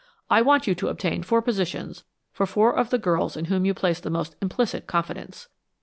I want you to obtain four positions for four of the girls in whom you place the most implicit confidence."